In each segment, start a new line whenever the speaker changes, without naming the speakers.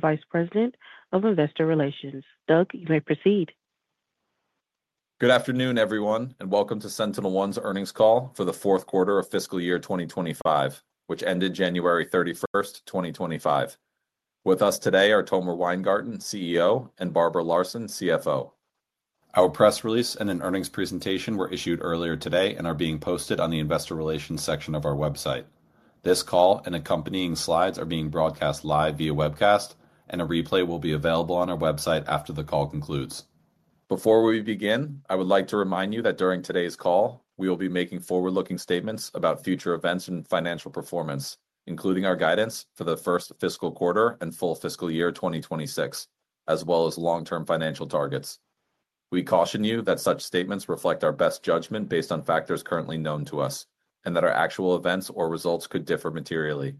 Vice President of Investor Relations, Doug, you may proceed.
Good afternoon, everyone, and welcome to SentinelOne's Earnings Call for the fourth quarter of fiscal year 2025, which ended January 31, 2025. With us today are Tomer Weingarten, CEO, and Barbara Larson, CFO. Our press release and an earnings presentation were issued earlier today and are being posted on the Investor Relations section of our website. This call and accompanying slides are being broadcast live via webcast, and a replay will be available on our website after the call concludes. Before we begin, I would like to remind you that during today's call, we will be making forward-looking statements about future events and financial performance, including our guidance for the first fiscal quarter and full fiscal year 2026, as well as long-term financial targets. We caution you that such statements reflect our best judgment based on factors currently known to us and that our actual events or results could differ materially.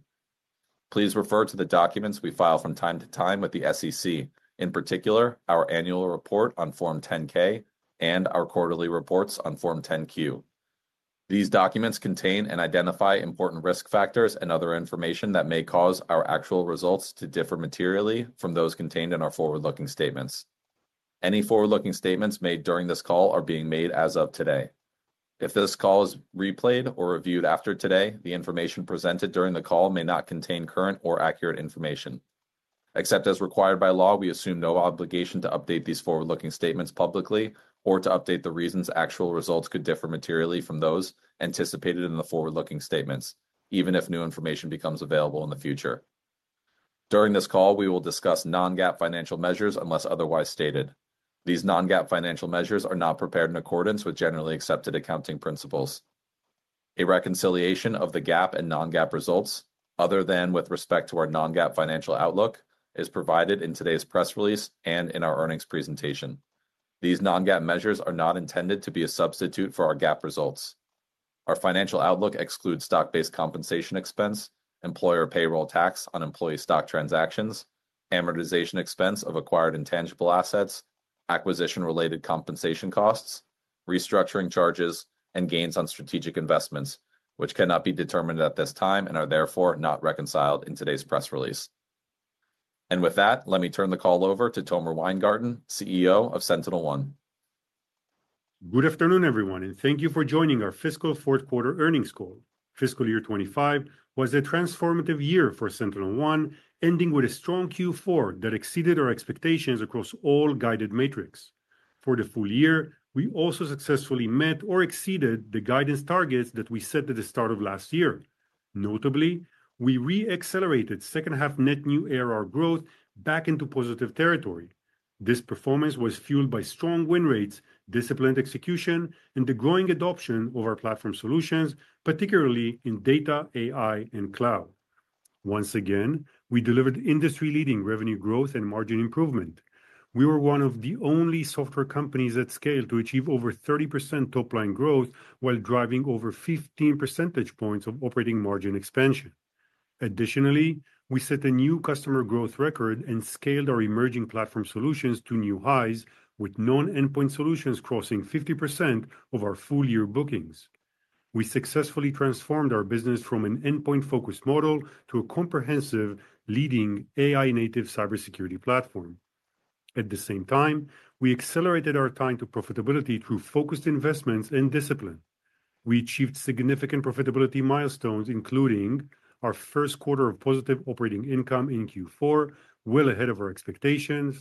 Please refer to the documents we file from time to time with the SEC, in particular our annual report on Form 10-K and our quarterly reports on Form 10-Q. These documents contain and identify important risk factors and other information that may cause our actual results to differ materially from those contained in our forward-looking statements. Any forward-looking statements made during this call are being made as of today. If this call is replayed or reviewed after today, the information presented during the call may not contain current or accurate information. Except as required by law, we assume no obligation to update these forward-looking statements publicly or to update the reasons actual results could differ materially from those anticipated in the forward-looking statements, even if new information becomes available in the future. During this call, we will discuss non-GAAP financial measures unless otherwise stated. These non-GAAP financial measures are not prepared in accordance with generally accepted accounting principles. A reconciliation of the GAAP and non-GAAP results, other than with respect to our non-GAAP financial outlook, is provided in today's press release and in our earnings presentation. These non-GAAP measures are not intended to be a substitute for our GAAP results. Our financial outlook excludes stock-based compensation expense, employer payroll tax on employee stock transactions, amortization expense of acquired intangible assets, acquisition-related compensation costs, restructuring charges, and gains on strategic investments, which cannot be determined at this time and are therefore not reconciled in today's press release. Let me turn the call over to Tomer Weingarten, CEO of SentinelOne.
Good afternoon, everyone, and thank you for joining our fiscal fourth quarter earnings call. Fiscal year 2025 was a transformative year for SentinelOne, ending with a strong Q4 that exceeded our expectations across all guided metrics. For the full year, we also successfully met or exceeded the guidance targets that we set at the start of last year. Notably, we re-accelerated second-half net new ARR growth back into positive territory. This performance was fueled by strong win rates, disciplined execution, and the growing adoption of our platform solutions, particularly in data, AI, and cloud. Once again, we delivered industry-leading revenue growth and margin improvement. We were one of the only software companies at scale to achieve over 30% top-line growth while driving over 15 percentage points of operating margin expansion. Additionally, we set a new customer growth record and scaled our emerging platform solutions to new highs, with non-endpoint solutions crossing 50% of our full-year bookings. We successfully transformed our business from an endpoint-focused model to a comprehensive, leading AI-native cybersecurity platform. At the same time, we accelerated our time to profitability through focused investments and discipline. We achieved significant profitability milestones, including our first quarter of positive operating income in Q4, well ahead of our expectations,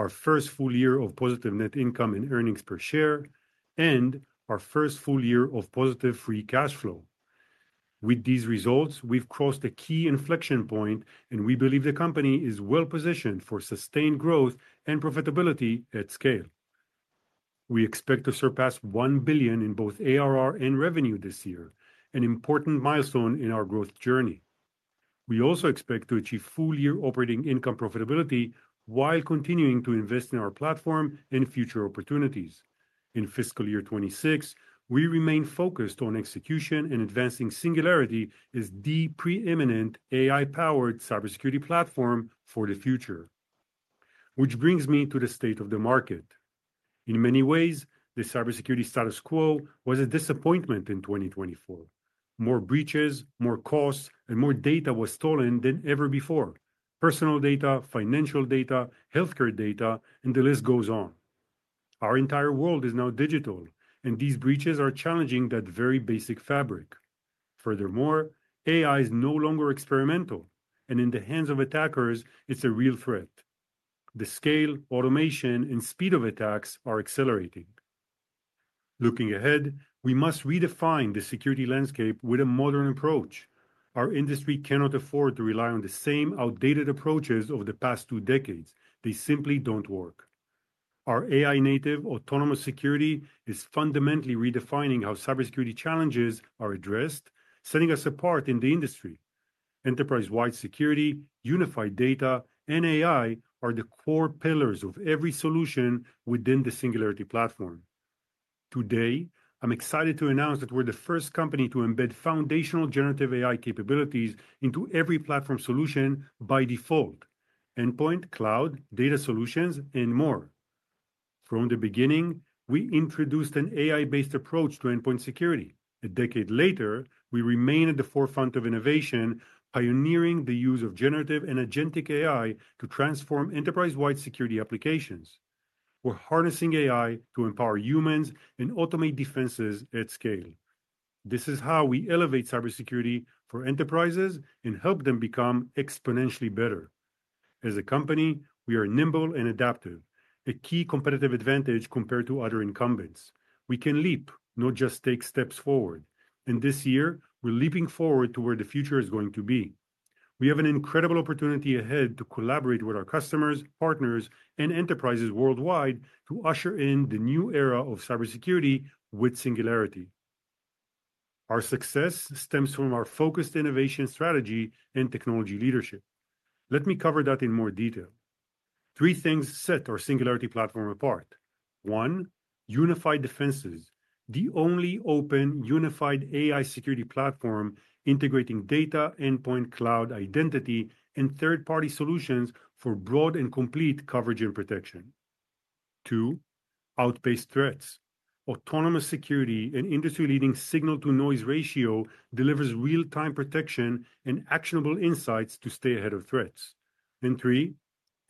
our first full year of positive net income in earnings per share, and our first full year of positive free cash flow. With these results, we've crossed a key inflection point, and we believe the company is well-positioned for sustained growth and profitability at scale. We expect to surpass $1 billion in both ARR and revenue this year, an important milestone in our growth journey. We also expect to achieve full-year operating income profitability while continuing to invest in our platform and future opportunities. In fiscal year 2026, we remain focused on execution and advancing Singularity as the preeminent AI-powered cybersecurity platform for the future, which brings me to the state of the market. In many ways, the cybersecurity status quo was a disappointment in 2024. More breaches, more costs, and more data was stolen than ever before: personal data, financial data, healthcare data, and the list goes on. Our entire world is now digital, and these breaches are challenging that very basic fabric. Furthermore, AI is no longer experimental, and in the hands of attackers, it's a real threat. The scale, automation, and speed of attacks are accelerating. Looking ahead, we must redefine the security landscape with a modern approach. Our industry cannot afford to rely on the same outdated approaches of the past two decades. They simply don't work. Our AI-native autonomous security is fundamentally redefining how cybersecurity challenges are addressed, setting us apart in the industry. Enterprise-wide security, unified data, and AI are the core pillars of every solution within the Singularity platform. Today, I'm excited to announce that we're the first company to embed foundational generative AI capabilities into every platform solution by default, endpoint, cloud, data solutions, and more. From the beginning, we introduced an AI-based approach to endpoint security. A decade later, we remain at the forefront of innovation, pioneering the use of generative and agentic AI to transform enterprise-wide security applications. We're harnessing AI to empower humans and automate defenses at scale. This is how we elevate cybersecurity for enterprises and help them become exponentially better. As a company, we are nimble and adaptive, a key competitive advantage compared to other incumbents. We can leap, not just take steps forward. This year, we're leaping forward to where the future is going to be. We have an incredible opportunity ahead to collaborate with our customers, partners, and enterprises worldwide to usher in the new era of cybersecurity with Singularity. Our success stems from our focused innovation strategy and technology leadership. Let me cover that in more detail. Three things set our Singularity platform apart. One, unified defenses, the only open unified AI security platform integrating data, endpoint, cloud identity, and third-party solutions for broad and complete coverage and protection. Two, outpace threats. Autonomous security and industry-leading signal-to-noise ratio delivers real-time protection and actionable insights to stay ahead of threats. Three,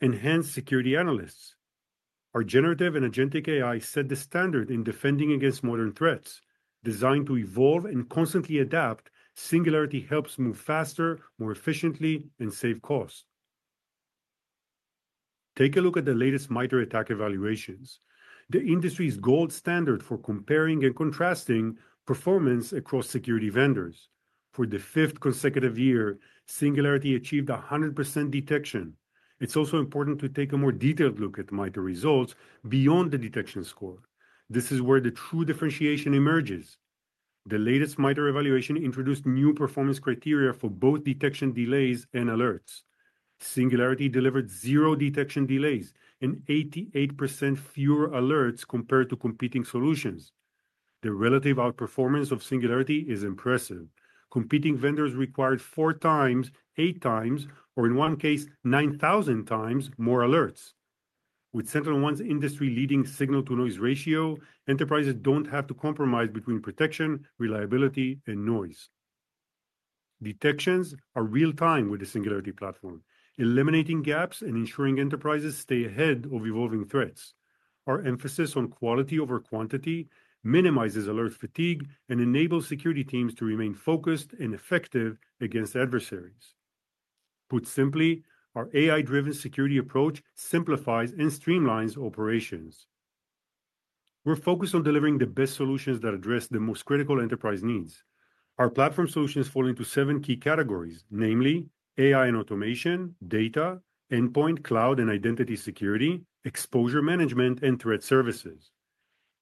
enhanced security analysts. Our generative and agentic AI set the standard in defending against modern threats. Designed to evolve and constantly adapt, Singularity helps move faster, more efficiently, and save costs. Take a look at the latest MITRE ATT&CK evaluations, the industry's gold standard for comparing and contrasting performance across security vendors. For the fifth consecutive year, Singularity achieved 100% detection. It's also important to take a more detailed look at MITRE results beyond the detection score. This is where the true differentiation emerges. The latest MITRE evaluation introduced new performance criteria for both detection delays and alerts. Singularity delivered zero detection delays and 88% fewer alerts compared to competing solutions. The relative outperformance of Singularity is impressive. Competing vendors required four times, eight times, or in one case, 9,000 times more alerts. With SentinelOne's industry-leading signal-to-noise ratio, enterprises don't have to compromise between protection, reliability, and noise. Detections are real-time with the Singularity platform, eliminating gaps and ensuring enterprises stay ahead of evolving threats. Our emphasis on quality over quantity minimizes alert fatigue and enables security teams to remain focused and effective against adversaries. Put simply, our AI-driven security approach simplifies and streamlines operations. We're focused on delivering the best solutions that address the most critical enterprise needs. Our platform solutions fall into seven key categories, namely AI and automation, data, endpoint, cloud, and identity security, exposure management, and threat services.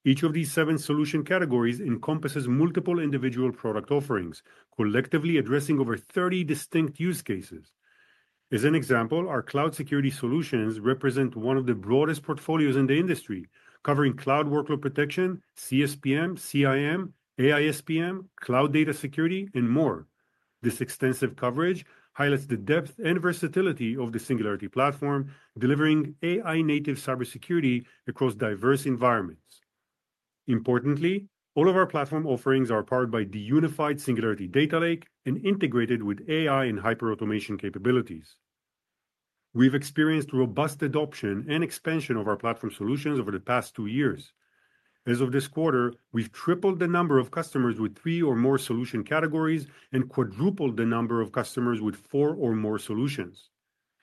Each of these seven solution categories encompasses multiple individual product offerings, collectively addressing over 30 distinct use cases. As an example, our cloud security solutions represent one of the broadest portfolios in the industry, covering cloud workload protection, CSPM, CIEM, AI-SPM, cloud data security, and more. This extensive coverage highlights the depth and versatility of the Singularity platform, delivering AI-native cybersecurity across diverse environments. Importantly, all of our platform offerings are powered by the unified Singularity Data Lake and integrated with AI and hyperautomation capabilities. We've experienced robust adoption and expansion of our platform solutions over the past two years. As of this quarter, we've tripled the number of customers with three or more solution categories and quadrupled the number of customers with four or more solutions.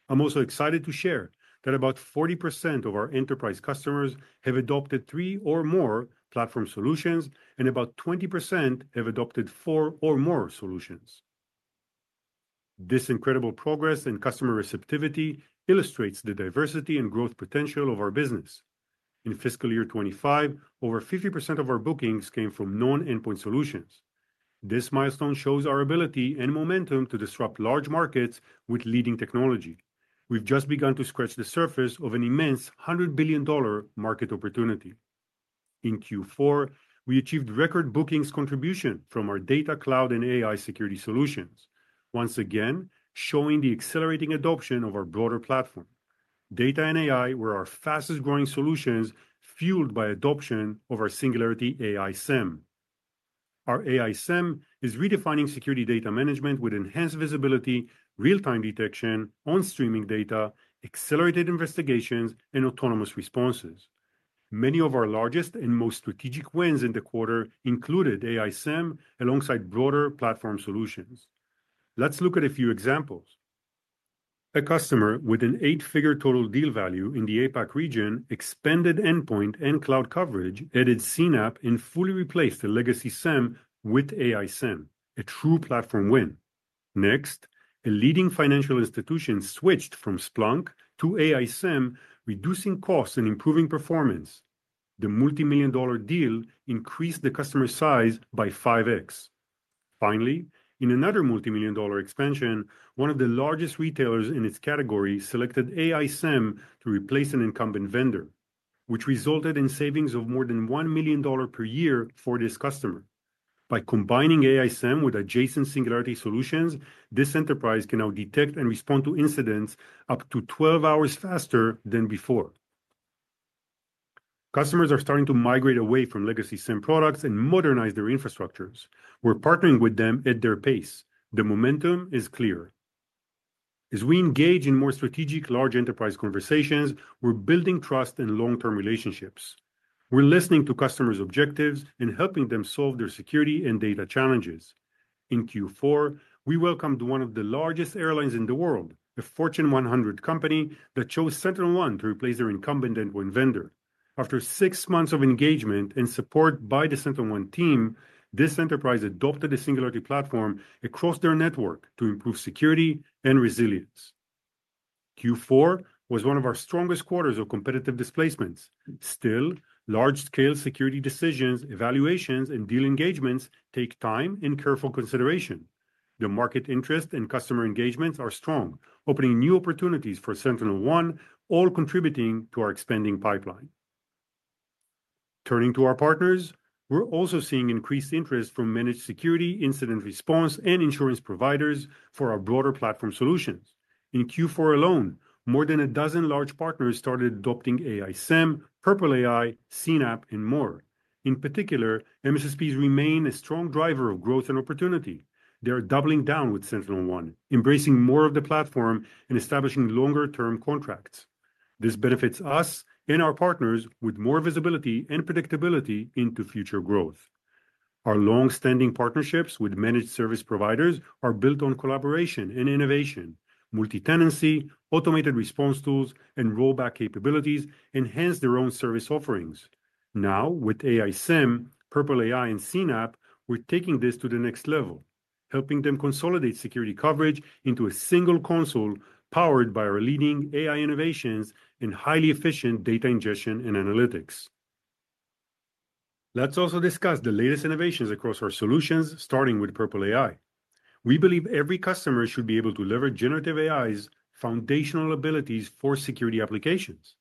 I'm also excited to share that about 40% of our enterprise customers have adopted three or more platform solutions, and about 20% have adopted four or more solutions. This incredible progress and customer receptivity illustrates the diversity and growth potential of our business. In fiscal year 2025, over 50% of our bookings came from non-endpoint solutions. This milestone shows our ability and momentum to disrupt large markets with leading technology. We've just begun to scratch the surface of an immense $100 billion market opportunity. In Q4, we achieved record bookings contribution from our data, cloud, and AI security solutions, once again showing the accelerating adoption of our broader platform. Data and AI were our fastest-growing solutions, fueled by adoption of our Singularity AI SIEM. Our AI SIEM is redefining security data management with enhanced visibility, real-time detection on streaming data, accelerated investigations, and autonomous responses. Many of our largest and most strategic wins in the quarter included AI SIEM alongside broader platform solutions. Let's look at a few examples. A customer with an eight-figure total deal value in the APAC region expanded endpoint and cloud coverage, added CNAPP, and fully replaced the legacy SIEM with AI SIEM, a true platform win. Next, a leading financial institution switched from Splunk to AI SIEM, reducing costs and improving performance. The multi-million-dollar deal increased the customer size by 5x. Finally, in another multi-million dollar expansion, one of the largest retailers in its category selected AI SIEM to replace an incumbent vendor, which resulted in savings of more than $1 million per year for this customer. By combining AI SIEM with adjacent Singularity solutions, this enterprise can now detect and respond to incidents up to 12 hours faster than before. Customers are starting to migrate away from legacy SIEM products and modernize their infrastructures. We're partnering with them at their pace. The momentum is clear. As we engage in more strategic large enterprise conversations, we're building trust and long-term relationships. We're listening to customers' objectives and helping them solve their security and data challenges. In Q4, we welcomed one of the largest airlines in the world, a Fortune 100 company that chose SentinelOne to replace their incumbent endpoint vendor. After six months of engagement and support by the SentinelOne team, this enterprise adopted the Singularity platform across their network to improve security and resilience. Q4 was one of our strongest quarters of competitive displacements. Still, large-scale security decisions, evaluations, and deal engagements take time and careful consideration. The market interest and customer engagements are strong, opening new opportunities for SentinelOne, all contributing to our expanding pipeline. Turning to our partners, we are also seeing increased interest from managed security, incident response, and insurance providers for our broader platform solutions. In Q4 alone, more than a dozen large partners started adopting AI SIEM, Purple AI, CNAPP, and more. In particular, MSSPs remain a strong driver of growth and opportunity. They are doubling down with SentinelOne, embracing more of the platform and establishing longer-term contracts. This benefits us and our partners with more visibility and predictability into future growth. Our long-standing partnerships with managed service providers are built on collaboration and innovation. Multi-tenancy, automated response tools, and rollback capabilities enhance their own service offerings. Now, with AI SIEM, Purple AI, and CNAPP, we're taking this to the next level, helping them consolidate security coverage into a single console powered by our leading AI innovations and highly efficient data ingestion and analytics. Let's also discuss the latest innovations across our solutions, starting with Purple AI. We believe every customer should be able to leverage generative AI's foundational abilities for security applications.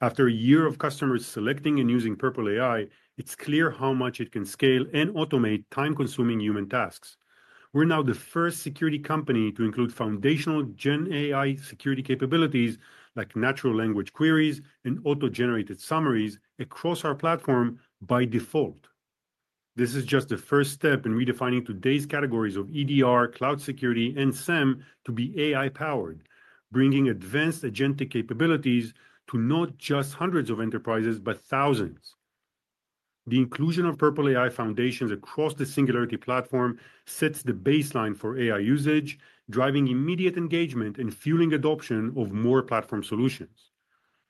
After a year of customers selecting and using Purple AI, it's clear how much it can scale and automate time-consuming human tasks. We're now the first security company to include foundational Gen AI security capabilities like natural language queries and auto-generated summaries across our platform by default. This is just the first step in redefining today's categories of EDR, cloud security, and SIEM to be AI-powered, bringing advanced agentic capabilities to not just hundreds of enterprises, but thousands. The inclusion of Purple AI foundations across the Singularity platform sets the baseline for AI usage, driving immediate engagement and fueling adoption of more platform solutions.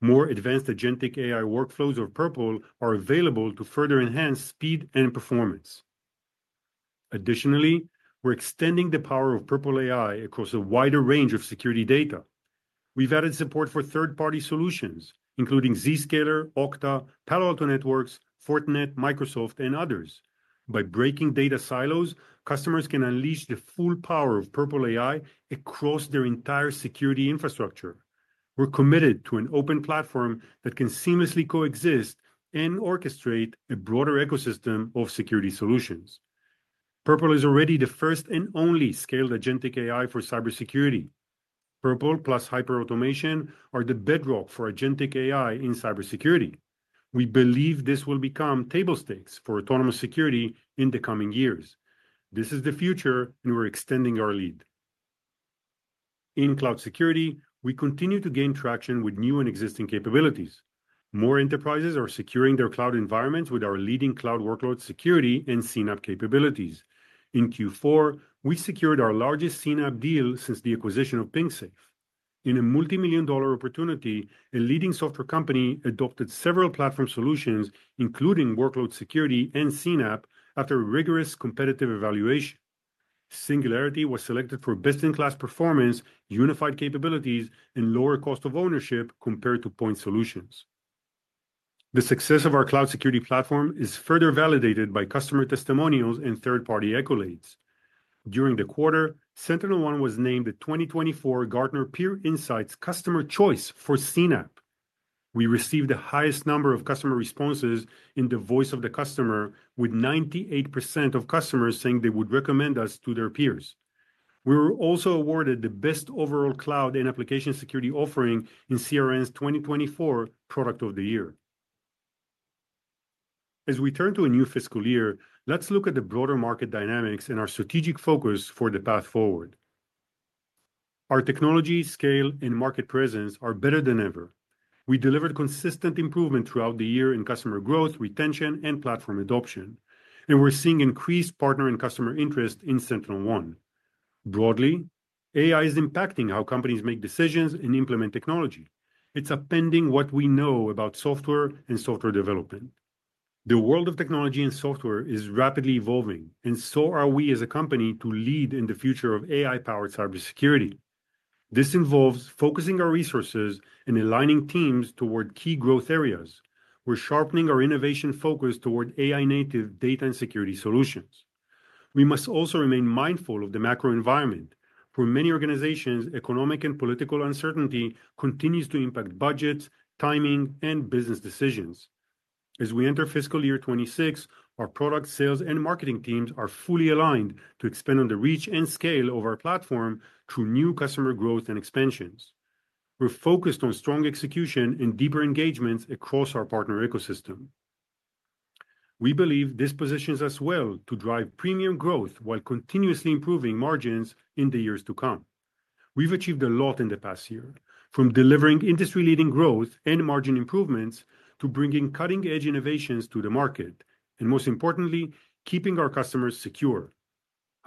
More advanced agentic AI workflows or Purple are available to further enhance speed and performance. Additionally, we're extending the power of Purple AI across a wider range of security data. We've added support for third-party solutions, including Zscaler, Okta, Palo Alto Networks, Fortinet, Microsoft, and others. By breaking data silos, customers can unleash the full power of Purple AI across their entire security infrastructure. We're committed to an open platform that can seamlessly coexist and orchestrate a broader ecosystem of security solutions. Purple is already the first and only scaled agentic AI for cybersecurity. Purple plus hyperautomation are the bedrock for agentic AI in cybersecurity. We believe this will become table stakes for autonomous security in the coming years. This is the future, and we're extending our lead. In cloud security, we continue to gain traction with new and existing capabilities. More enterprises are securing their cloud environments with our leading cloud workload security and CNAPP capabilities. In Q4, we secured our largest CNAPP deal since the acquisition of PingSafe. In a multi-million-dollar opportunity, a leading software company adopted several platform solutions, including workload security and CNAPP, after rigorous competitive evaluation. Singularity was selected for best-in-class performance, unified capabilities, and lower cost of ownership compared to point solutions. The success of our cloud security platform is further validated by customer testimonials and third-party accolades. During the quarter, SentinelOne was named the 2024 Gartner Peer Insights Customer Choice for CNAPP. We received the highest number of customer responses in the Voice of the Customer, with 98% of customers saying they would recommend us to their peers. We were also awarded the best overall cloud and application security offering in CRN's 2024 Product of the Year. As we turn to a new fiscal year, let's look at the broader market dynamics and our strategic focus for the path forward. Our technology, scale, and market presence are better than ever. We delivered consistent improvement throughout the year in customer growth, retention, and platform adoption. We are seeing increased partner and customer interest in SentinelOne. Broadly, AI is impacting how companies make decisions and implement technology. It is upending what we know about software and software development. The world of technology and software is rapidly evolving, and so are we as a company to lead in the future of AI-powered cybersecurity. This involves focusing our resources and aligning teams toward key growth areas. We're sharpening our innovation focus toward AI-native data and security solutions. We must also remain mindful of the macro environment. For many organizations, economic and political uncertainty continues to impact budgets, timing, and business decisions. As we enter fiscal year 2026, our product sales and marketing teams are fully aligned to expand on the reach and scale of our platform through new customer growth and expansions. We're focused on strong execution and deeper engagements across our partner ecosystem. We believe this positions us well to drive premium growth while continuously improving margins in the years to come. We've achieved a lot in the past year, from delivering industry-leading growth and margin improvements to bringing cutting-edge innovations to the market. Most importantly, keeping our customers secure.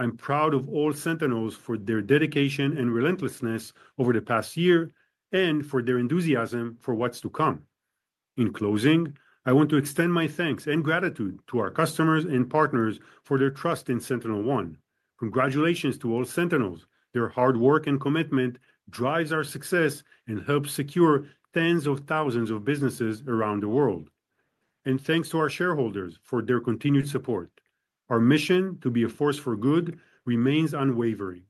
I'm proud of all Sentinels for their dedication and relentlessness over the past year and for their enthusiasm for what's to come. In closing, I want to extend my thanks and gratitude to our customers and partners for their trust in SentinelOne. Congratulations to all Sentinels. Their hard work and commitment drive our success and help secure tens of thousands of businesses around the world. Thanks to our shareholders for their continued support. Our mission to be a force for good remains unwavering.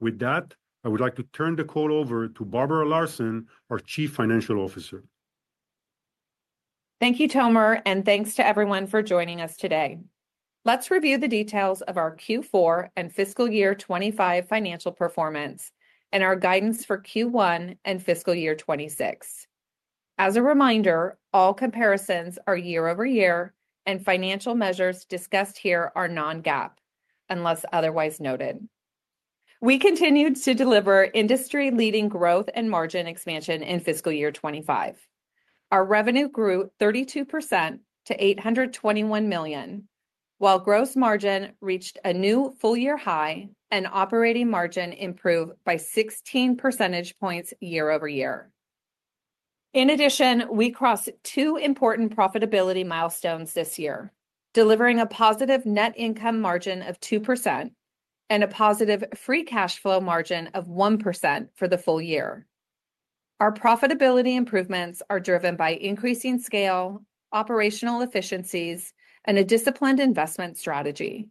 With that, I would like to turn the call over to Barbara Larson, our Chief Financial Officer.
Thank you, Tomer, and thanks to everyone for joining us today. Let's review the details of our Q4 and fiscal year 2025 financial performance and our guidance for Q1 and fiscal year 2026. As a reminder, all comparisons are year-over-year, and financial measures discussed here are non-GAAP, unless otherwise noted. We continued to deliver industry-leading growth and margin expansion in fiscal year 2025. Our revenue grew 32% to $821 million, while gross margin reached a new full-year high and operating margin improved by 16 percentage points year-over-year. In addition, we crossed two important profitability milestones this year, delivering a positive net income margin of 2% and a positive free cash flow margin of 1% for the full year. Our profitability improvements are driven by increasing scale, operational efficiencies, and a disciplined investment strategy.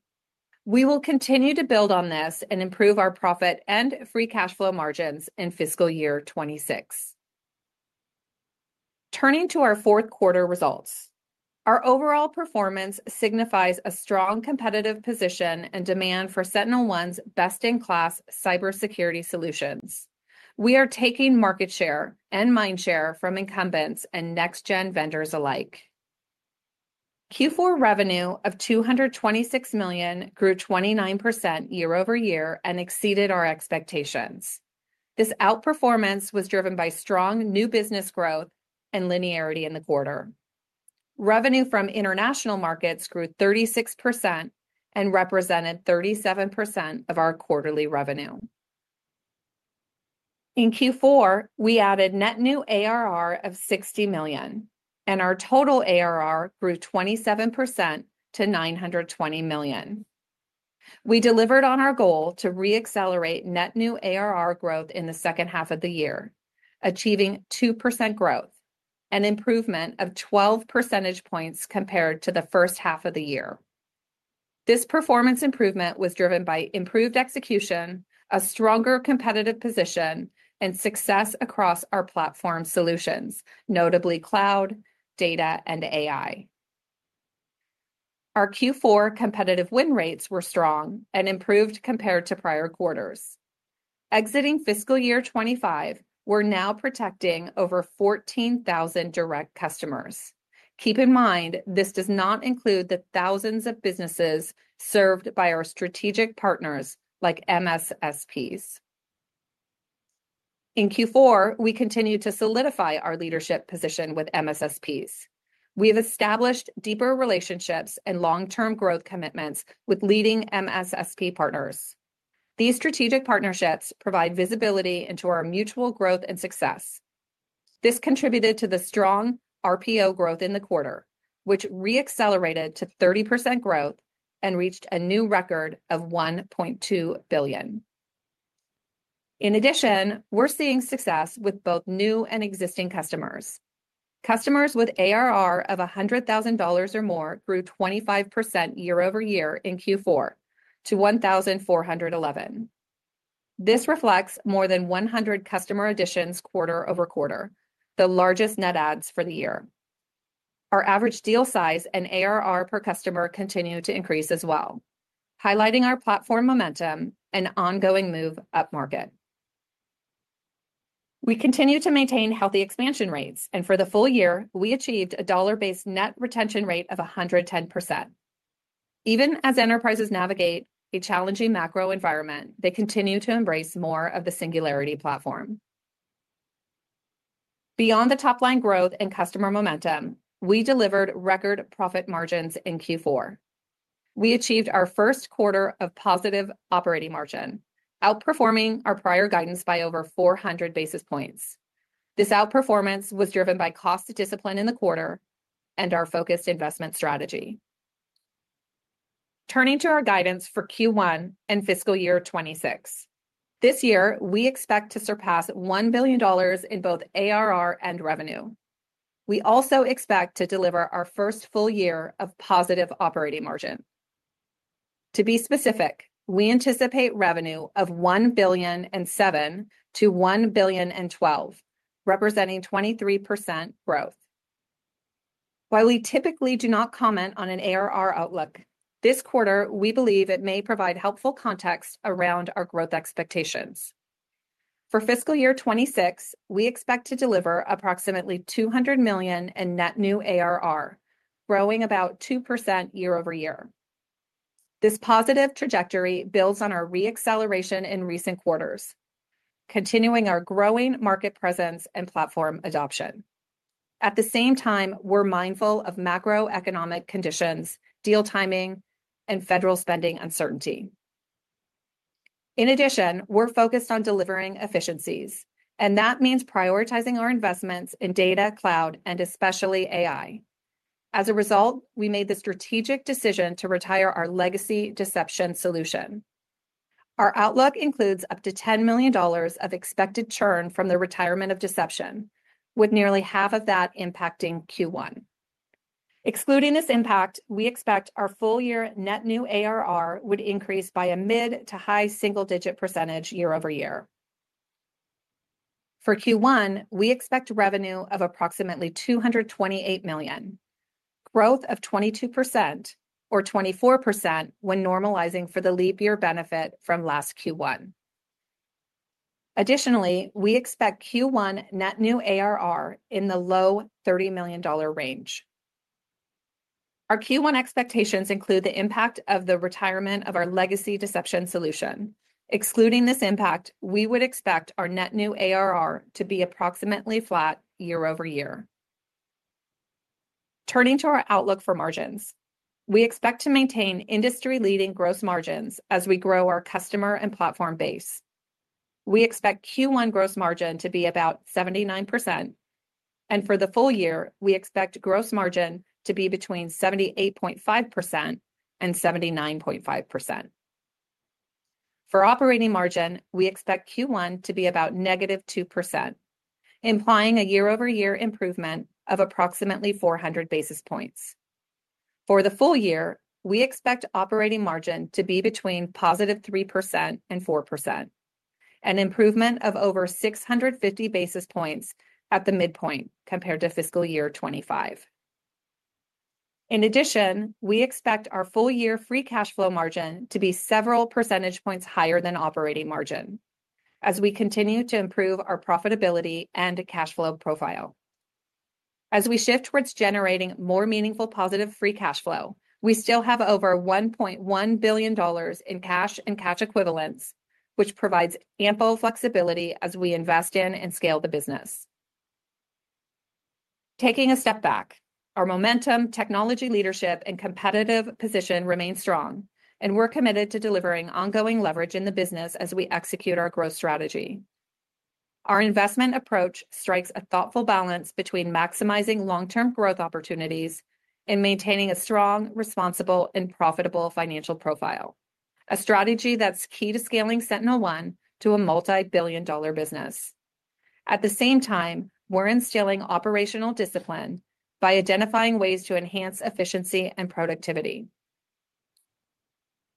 We will continue to build on this and improve our profit and free cash flow margins in fiscal year 2026. Turning to our fourth quarter results, our overall performance signifies a strong competitive position and demand for SentinelOne's best-in-class cybersecurity solutions. We are taking market share and mind share from incumbents and next-gen vendors alike. Q4 revenue of $226 million grew 29% year-over-year and exceeded our expectations. This outperformance was driven by strong new business growth and linearity in the quarter. Revenue from international markets grew 36% and represented 37% of our quarterly revenue. In Q4, we added net new ARR of $60 million, and our total ARR grew 27% to $920 million. We delivered on our goal to re-accelerate net new ARR growth in the second half of the year, achieving 2% growth and improvement of 12 percentage points compared to the first half of the year. This performance improvement was driven by improved execution, a stronger competitive position, and success across our platform solutions, notably cloud, data, and AI. Our Q4 competitive win rates were strong and improved compared to prior quarters. Exiting fiscal year 2025, we're now protecting over 14,000 direct customers. Keep in mind, this does not include the thousands of businesses served by our strategic partners like MSSPs. In Q4, we continue to solidify our leadership position with MSSPs. We have established deeper relationships and long-term growth commitments with leading MSSP partners. These strategic partnerships provide visibility into our mutual growth and success. This contributed to the strong RPO growth in the quarter, which re-accelerated to 30% growth and reached a new record of $1.2 billion. In addition, we're seeing success with both new and existing customers. Customers with ARR of $100,000 or more grew 25% year-over-year in Q4 to 1,411. This reflects more than 100 customer additions quarter over quarter, the largest net adds for the year. Our average deal size and ARR per customer continue to increase as well, highlighting our platform momentum and ongoing move up market. We continue to maintain healthy expansion rates, and for the full year, we achieved a dollar-based net retention rate of 110%. Even as enterprises navigate a challenging macro environment, they continue to embrace more of the Singularity platform. Beyond the top-line growth and customer momentum, we delivered record profit margins in Q4. We achieved our first quarter of positive operating margin, outperforming our prior guidance by over 400 basis points. This outperformance was driven by cost discipline in the quarter and our focused investment strategy. Turning to our guidance for Q1 and fiscal year 2026, this year, we expect to surpass $1 billion in both ARR and revenue. We also expect to deliver our first full year of positive operating margin. To be specific, we anticipate revenue of $1.07 billion- $1.12 billion, representing 23% growth. While we typically do not comment on an ARR outlook, this quarter, we believe it may provide helpful context around our growth expectations. For fiscal year 2026, we expect to deliver approximately $200 million in net new ARR, growing about 2% year-over-year. This positive trajectory builds on our re-acceleration in recent quarters, continuing our growing market presence and platform adoption. At the same time, we're mindful of macroeconomic conditions, deal timing, and federal spending uncertainty. In addition, we're focused on delivering efficiencies, and that means prioritizing our investments in data, cloud, and especially AI. As a result, we made the strategic decision to retire our legacy deception solution. Our outlook includes up to $10 million of expected churn from the retirement of deception, with nearly half of that impacting Q1. Excluding this impact, we expect our full-year net new ARR would increase by a mid to high single-digit percentage year-over-year. For Q1, we expect revenue of approximately $228 million, growth of 22% or 24% when normalizing for the leap year benefit from last Q1. Additionally, we expect Q1 net new ARR in the low $30 million range. Our Q1 expectations include the impact of the retirement of our legacy deception solution. Excluding this impact, we would expect our net new ARR to be approximately flat year-over-year. Turning to our outlook for margins, we expect to maintain industry-leading gross margins as we grow our customer and platform base. We expect Q1 gross margin to be about 79%. For the full year, we expect gross margin to be between 78.5% and 79.5%. For operating margin, we expect Q1 to be about -2%, implying a year-over-year improvement of approximately 400 basis points. For the full year, we expect operating margin to be between positive 3% and 4%, an improvement of over 650 basis points at the midpoint compared to fiscal year 2025. In addition, we expect our full-year free cash flow margin to be several percentage points higher than operating margin as we continue to improve our profitability and cash flow profile. As we shift towards generating more meaningful positive free cash flow, we still have over $1.1 billion in cash and cash equivalents, which provides ample flexibility as we invest in and scale the business. Taking a step back, our momentum, technology leadership, and competitive position remain strong, and we're committed to delivering ongoing leverage in the business as we execute our growth strategy. Our investment approach strikes a thoughtful balance between maximizing long-term growth opportunities and maintaining a strong, responsible, and profitable financial profile, a strategy that's key to scaling SentinelOne to a multi-billion dollar business. At the same time, we're instilling operational discipline by identifying ways to enhance efficiency and productivity.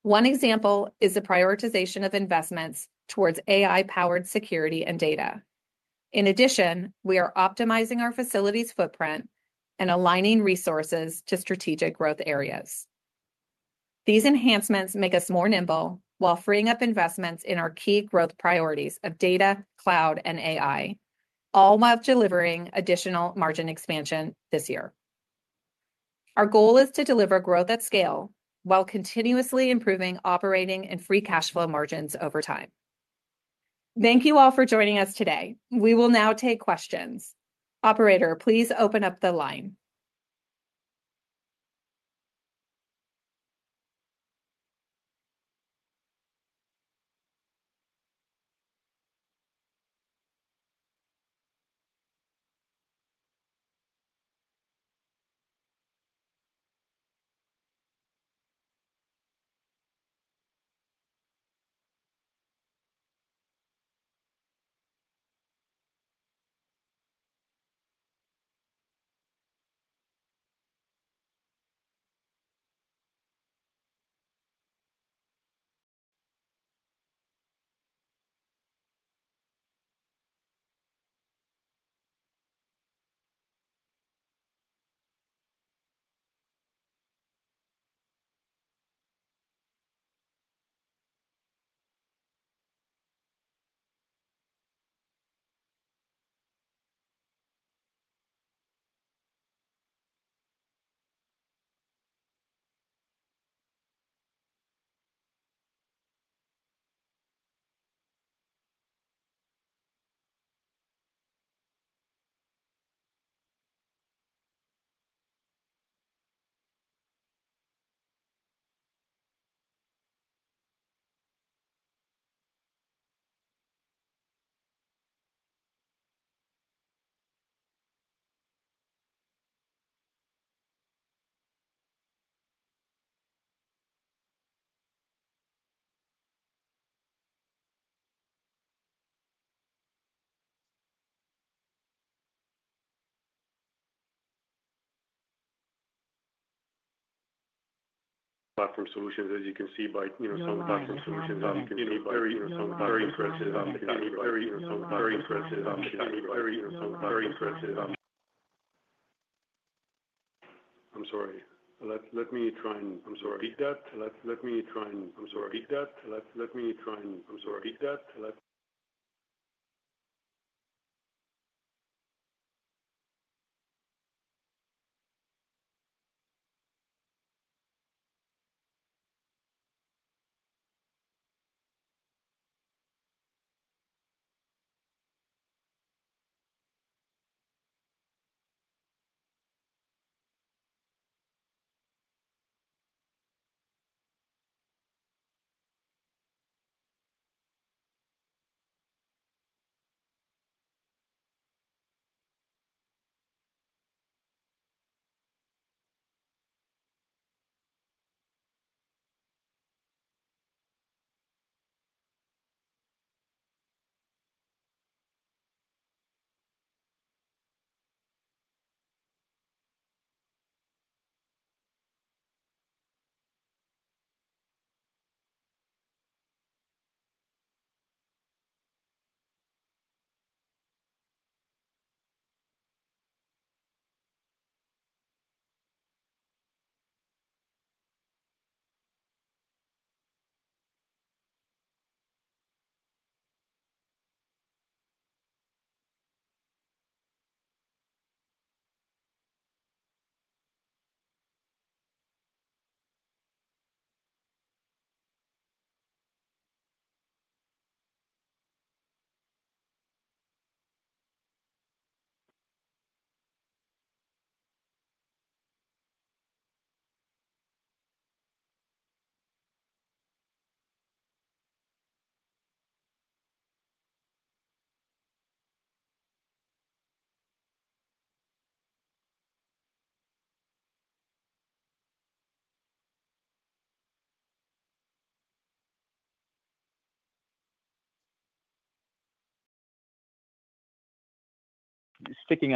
One example is the prioritization of investments towards AI-powered security and data. In addition, we are optimizing our facilities footprint and aligning resources to strategic growth areas. These enhancements make us more nimble while freeing up investments in our key growth priorities of data, cloud, and AI, all while delivering additional margin expansion this year. Our goal is to deliver growth at scale while continuously improving operating and free cash flow margins over time. Thank you all for joining us today. We will now take questions. Operator, please open up the line.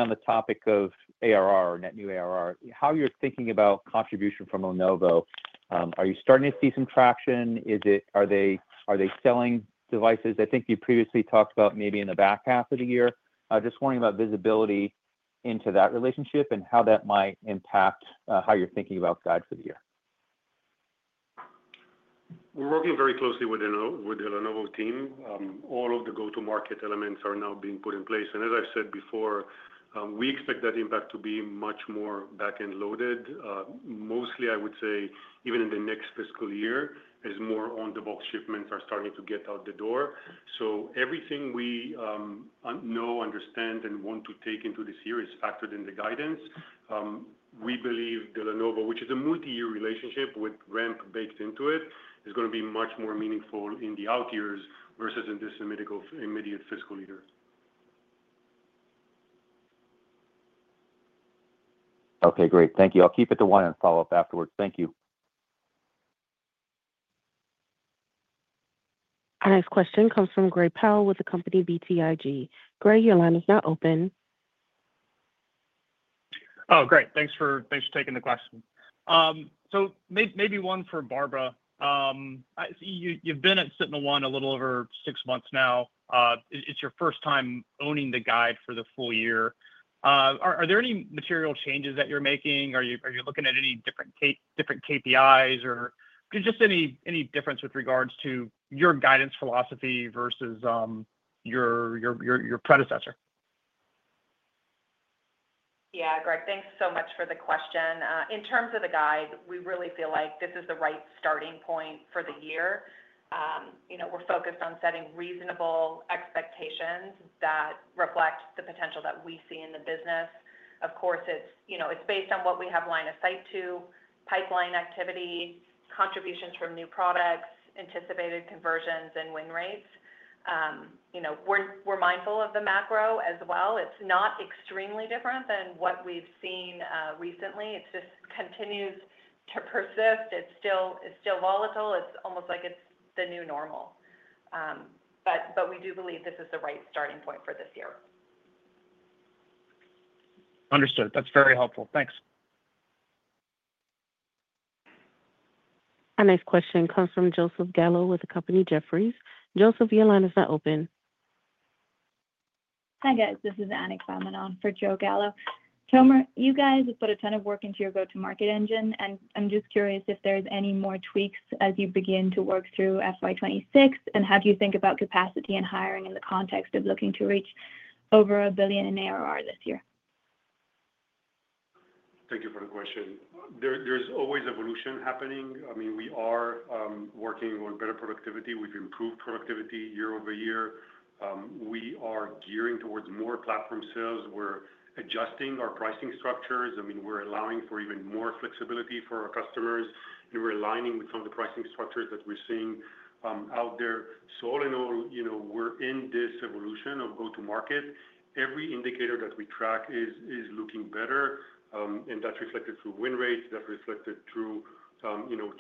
On the topic of ARR, net new ARR, how you're thinking about contribution from Lenovo, are you starting to see some traction? Are they selling devices? I think you previously talked about maybe in the back half of the year. Just wondering about visibility into that relationship and how that might impact how you're thinking about guide for the year.
We're working very closely with the Lenovo team. All of the go-to-market elements are now being put in place. As I've said before, we expect that impact to be much more back-end loaded. Mostly, I would say, even in the next fiscal year, as more on-the-box shipments are starting to get out the door. Everything we know, understand, and want to take into this year is factored in the guidance. We believe the Lenovo, which is a multi-year relationship with ramp baked into it, is going to be much more meaningful in the out years versus in this immediate fiscal year.
Okay, great. Thank you. I'll keep it to one and follow up afterwards. Thank you.
Our next question comes from Gray Powell with the company BTIG. Gray, your line is now open.
Oh, great. Thanks for taking the question. Maybe one for Barbara. You've been at SentinelOne a little over six months now. It's your first time owning the guide for the full year. Are there any material changes that you're making? Are you looking at any different KPIs or just any difference with regards to your guidance philosophy versus your predecessor?
Yeah, Gray, thanks so much for the question. In terms of the guide, we really feel like this is the right starting point for the year. We're focused on setting reasonable expectations that reflect the potential that we see in the business. Of course, it's based on what we have line of sight to, pipeline activity, contributions from new products, anticipated conversions, and win rates. We're mindful of the macro as well. It's not extremely different than what we've seen recently. It just continues to persist. It's still volatile. It's almost like it's the new normal. We do believe this is the right starting point for this year.
Understood. That's very helpful. Thanks.
Our next question comes from Joseph Gallo with the company Jefferies. Joseph, your line is now open.
Hi, guys. This is Annick Baumann for Joe Gallo. Tomer, you guys have put a ton of work into your go-to-market engine, and I'm just curious if there's any more tweaks as you begin to work through FY 2026, and how do you think about capacity and hiring in the context of looking to reach over a billion in ARR this year?
Thank you for the question. There's always evolution happening. I mean, we are working on better productivity. We've improved productivity year over year. We are gearing towards more platform sales. We're adjusting our pricing structures. I mean, we're allowing for even more flexibility for our customers, and we're aligning with some of the pricing structures that we're seeing out there. All in all, we're in this evolution of go-to-market. Every indicator that we track is looking better, and that's reflected through win rates, that's reflected through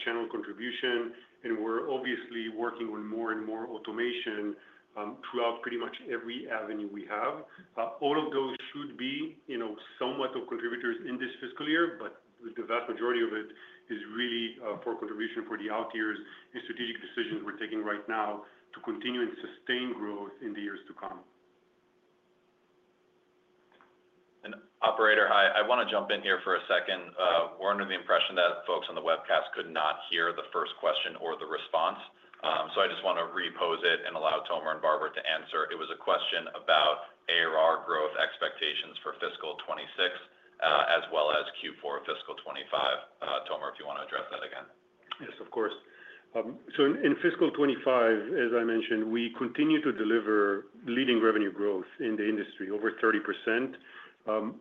channel contribution. We're obviously working on more and more automation throughout pretty much every avenue we have. All of those should be somewhat of contributors in this fiscal year, but the vast majority of it is really for contribution for the out years and strategic decisions we're taking right now to continue and sustain growth in the years to come.
Operator, I want to jump in here for a second. We're under the impression that folks on the webcast could not hear the first question or the response. I just want to re-pose it and allow Tomer and Barbara to answer. It was a question about ARR growth expectations for fiscal 2026 as well as Q4 fiscal 2025. Tomer, if you want to address that again?
Yes, of course. In fiscal 2025, as I mentioned, we continue to deliver leading revenue growth in the industry, over 30%.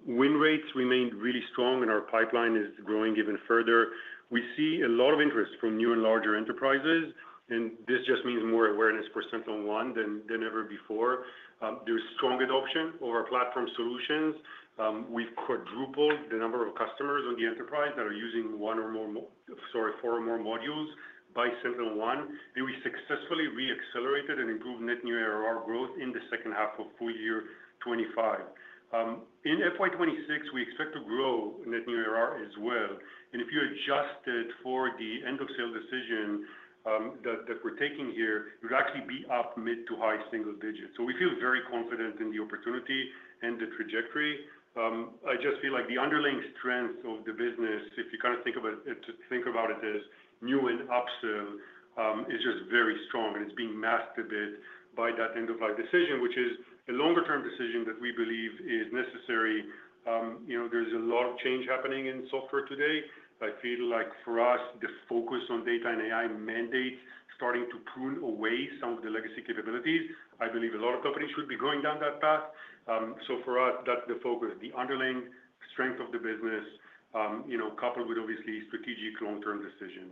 Win rates remain really strong, and our pipeline is growing even further. We see a lot of interest from new and larger enterprises, and this just means more awareness for SentinelOne than ever before. There is strong adoption of our platform solutions. We have quadrupled the number of customers on the enterprise that are using one or more, sorry, four or more modules by SentinelOne. We successfully re-accelerated and improved net new ARR growth in the second half of full year 2025. In FY 2026, we expect to grow net new ARR as well. If you adjust it for the end-of-sale decision that we are taking here, it would actually be up mid to high single digits. We feel very confident in the opportunity and the trajectory. I just feel like the underlying strength of the business, if you kind of think about it as new and upsell, is just very strong, and it's being masked a bit by that end-of-life decision, which is a longer-term decision that we believe is necessary. There's a lot of change happening in software today. I feel like for us, the focus on data and AI mandates starting to prune away some of the legacy capabilities. I believe a lot of companies should be going down that path. For us, that's the focus, the underlying strength of the business, coupled with obviously strategic long-term decisions.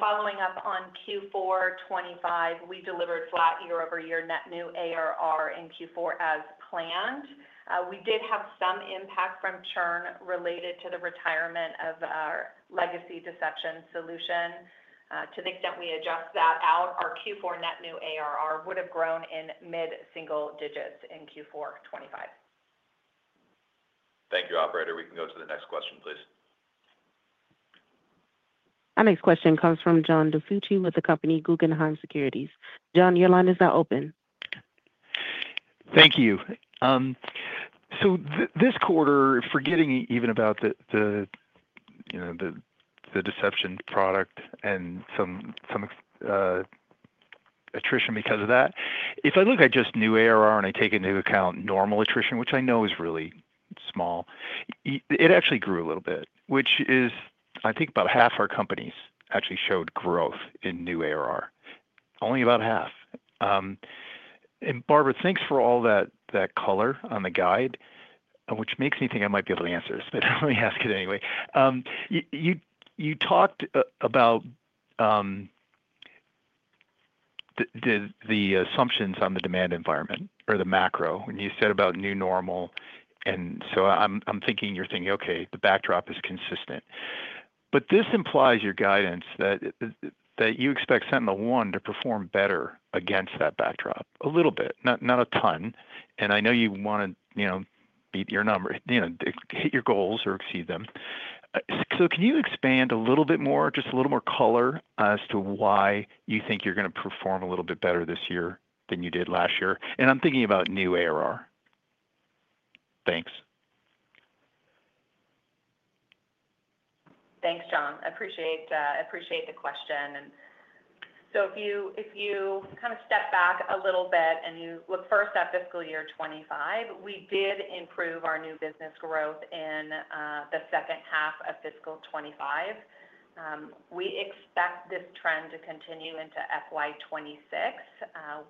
Following up on Q4 2025, we delivered flat year-over-year net new ARR in Q4 as planned. We did have some impact from churn related to the retirement of our legacy deception solution. To the extent we adjust that out, our Q4 net new ARR would have grown in mid single digits in Q4 2025.
Thank you, Operator. We can go to the next question, please.
Our next question comes from John DiFucci with Guggenheim Securities. John, your line is now open.
Thank you. This quarter, forgetting even about the deception product and some attrition because of that, if I look at just new ARR and I take into account normal attrition, which I know is really small, it actually grew a little bit, which is, I think, about half our companies actually showed growth in new ARR. Only about half. And Barbara, thanks for all that color on the guide, which makes me think I might be able to answer this, but let me ask it anyway. You talked about the assumptions on the demand environment or the macro, and you said about new normal. I'm thinking you're thinking, "Okay, the backdrop is consistent." This implies your guidance that you expect SentinelOne to perform better against that backdrop, a little bit, not a ton. I know you want to beat your number, hit your goals or exceed them. Can you expand a little bit more, just a little more color as to why you think you're going to perform a little bit better this year than you did last year? I'm thinking about new ARR. Thanks.
Thanks, John. I appreciate the question. If you kind of step back a little bit and you look first at fiscal year 2025, we did improve our new business growth in the second half of fiscal 2025. We expect this trend to continue into FY 2026,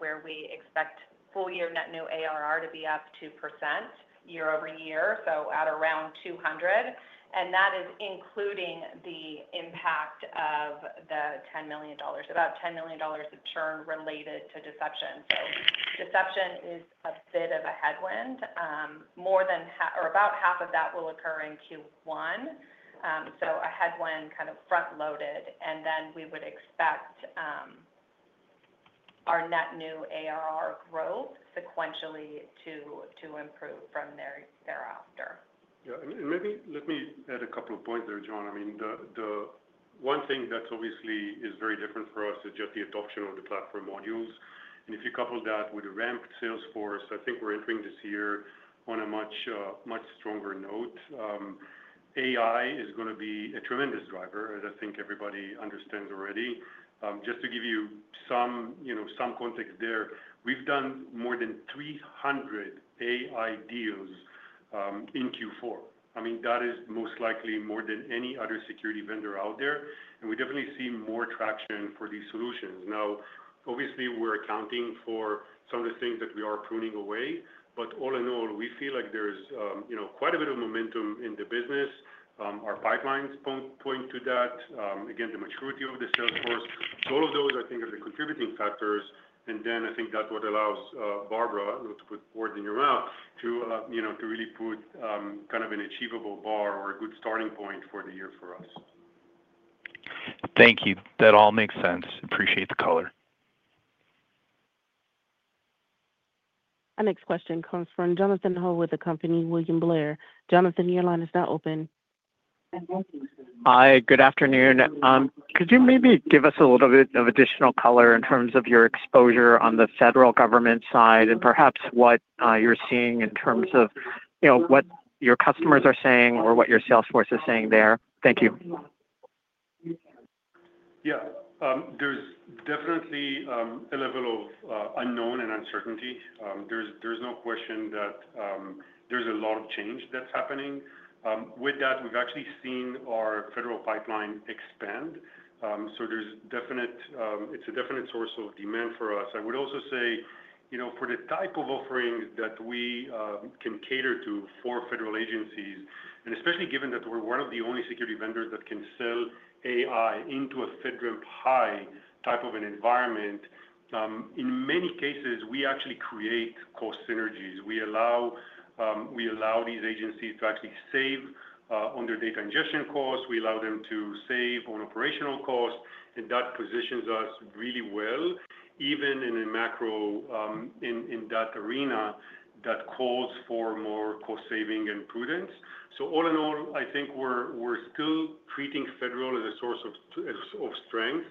where we expect full year net new ARR to be up 2% year-over-year, so at around $200 million. That is including the impact of the $10 million, about $10 million of churn related to deception. Deception is a bit of a headwind. About half of that will occur in Q1, so a headwind kind of front-loaded. We would expect our net new ARR growth sequentially to improve from thereafter.
Yeah. Maybe let me add a couple of points there, John. I mean, the one thing that obviously is very different for us is just the adoption of the platform modules. If you couple that with the ramp Salesforce, I think we're entering this year on a much stronger note. AI is going to be a tremendous driver, as I think everybody understands already. Just to give you some context there, we've done more than 300 AI deals in Q4. I mean, that is most likely more than any other security vendor out there. We definitely see more traction for these solutions. Now, obviously, we're accounting for some of the things that we are pruning away, but all in all, we feel like there's quite a bit of momentum in the business. Our pipelines point to that. Again, the maturity of the Salesforce. All of those, I think, are the contributing factors. I think that's what allows Barbara, not to put words in your mouth, to really put kind of an achievable bar or a good starting point for the year for us.
Thank you. That all makes sense. Appreciate the color.
Our next question comes from Jonathan Ho with the company William Blair. Jonathan, your line is now open.
Hi. Good afternoon. Could you maybe give us a little bit of additional color in terms of your exposure on the federal government side and perhaps what you're seeing in terms of what your customers are saying or what your sales force is saying there? Thank you.
Yeah. There's definitely a level of unknown and uncertainty. There's no question that there's a lot of change that's happening. With that, we've actually seen our federal pipeline expand. It is a definite source of demand for us. I would also say for the type of offerings that we can cater to for federal agencies, and especially given that we're one of the only security vendors that can sell AI into a FedRAMP High type of an environment, in many cases, we actually create cost synergies. We allow these agencies to actually save on their data ingestion costs. We allow them to save on operational costs. That positions us really well, even in a macro in that arena that calls for more cost saving and prudence. All in all, I think we're still treating federal as a source of strength.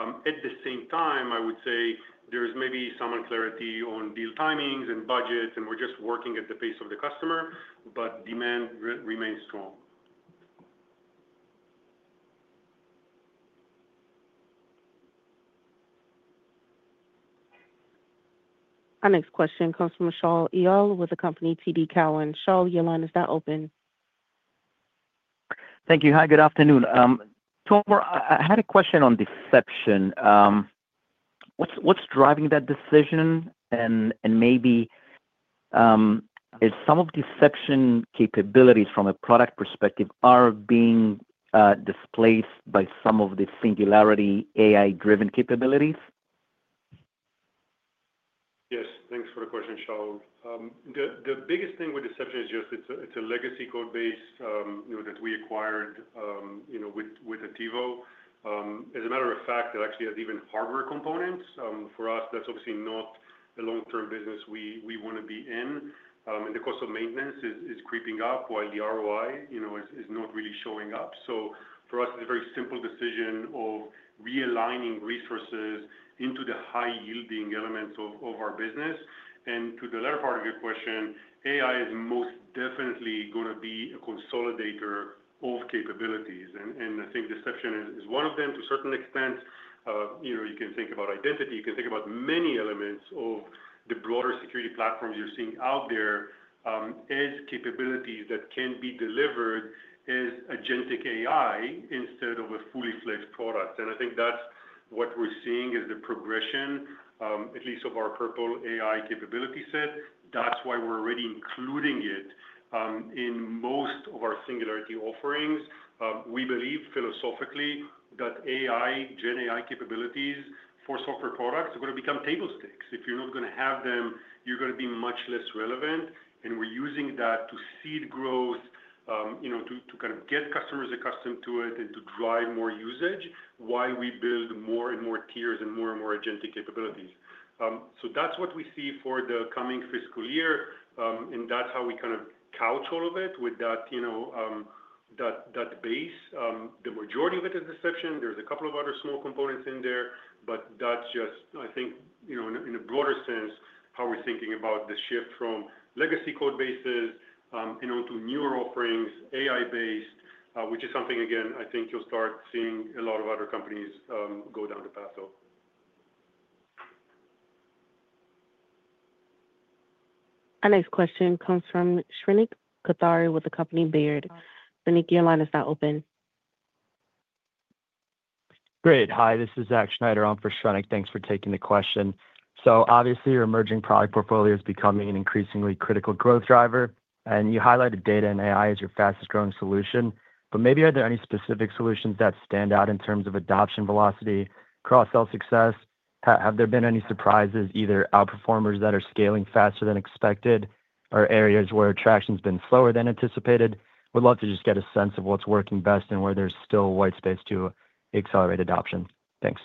At the same time, I would say there's maybe some unclarity on deal timings and budgets, and we're just working at the pace of the customer, but demand remains strong.
Our next question comes from Shaul Eyal with the company TD Cowen. Shaul, your line is now open.
Thank you. Hi, good afternoon. Tomer, I had a question on deception. What's driving that decision? Maybe some of the deception capabilities from a product perspective are being displaced by some of the Singularity AI-driven capabilities?
Yes. Thanks for the question, Shaul. The biggest thing with deception is just it's a legacy code base that we acquired with Attivo. As a matter of fact, it actually has even hardware components. For us, that's obviously not a long-term business we want to be in. The cost of maintenance is creeping up while the ROI is not really showing up. For us, it's a very simple decision of realigning resources into the high-yielding elements of our business. To the latter part of your question, AI is most definitely going to be a consolidator of capabilities. I think deception is one of them to a certain extent. You can think about identity. You can think about many elements of the broader security platforms you're seeing out there as capabilities that can be delivered as agentic AI instead of a fully-fledged product. I think that's what we're seeing is the progression, at least of our Purple AI capability set. That's why we're already including it in most of our Singularity offerings. We believe philosophically that AI, Gen AI capabilities for software products are going to become table stakes. If you're not going to have them, you're going to be much less relevant. We're using that to seed growth, to kind of get customers accustomed to it, and to drive more usage while we build more and more tiers and more and more agentic capabilities. That's what we see for the coming fiscal year. That's how we kind of couch all of it with that base. The majority of it is deception. There's a couple of other small components in there, but that's just, I think, in a broader sense, how we're thinking about the shift from legacy code bases and onto newer offerings, AI-based, which is something, again, I think you'll start seeing a lot of other companies go down the path of.
Our next question comes from Shrenik Kothari with the company Baird. Shrenik, your line is now open.
Great. Hi, this is Zach Schneider. I'm for Shrenik. Thanks for taking the question. Obviously, your emerging product portfolio is becoming an increasingly critical growth driver. You highlighted data and AI as your fastest-growing solution. Maybe are there any specific solutions that stand out in terms of adoption velocity, cross-sell success? Have there been any surprises, either outperformers that are scaling faster than expected or areas where traction has been slower than anticipated? Would love to just get a sense of what's working best and where there's still white space to accelerate adoption. Thanks.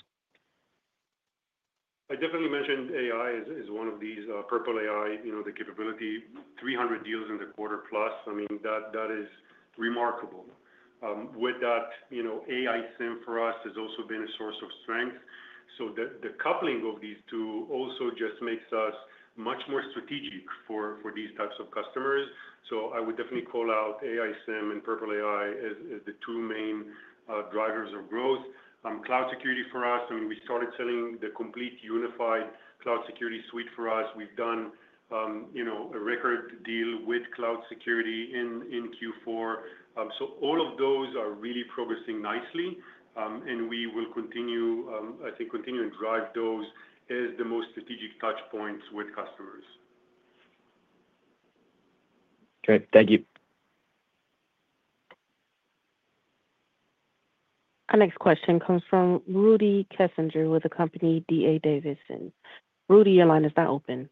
I definitely mentioned AI is one of these, Purple AI, the capability, 300 deals in the quarter plus. I mean, that is remarkable. With that, AI SIEM for us has also been a source of strength. The coupling of these two also just makes us much more strategic for these types of customers. I would definitely call out AI SIEM and Purple AI as the two main drivers of growth. Cloud security for us, I mean, we started selling the complete unified cloud security suite for us. We've done a record deal with cloud security in Q4. All of those are really progressing nicely. We will continue, I think, continue and drive those as the most strategic touchpoints with customers.
Great. Thank you.
Our next question comes from Rudy Kessinger with the company D.A. Davidson. Rudy, your line is now open.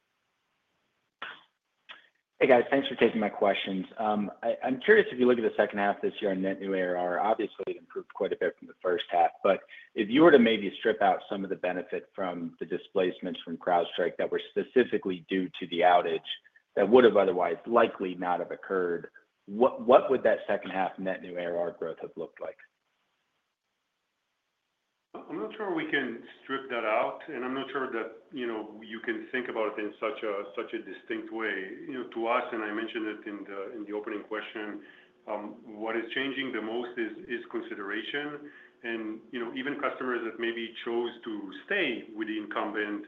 Hey, guys. Thanks for taking my questions. I'm curious if you look at the second half this year on net new ARR. Obviously, it improved quite a bit from the first half. If you were to maybe strip out some of the benefit from the displacements from CrowdStrike that were specifically due to the outage that would have otherwise likely not have occurred, what would that second half net new ARR growth have looked like?
I'm not sure we can strip that out. I'm not sure that you can think about it in such a distinct way. To us, and I mentioned it in the opening question, what is changing the most is consideration. Even customers that maybe chose to stay with the incumbent,